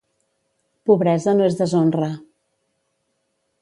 Pobresa no és deshonra.